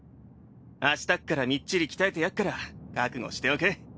明日っからみっちり鍛えてやっから覚悟しておけ。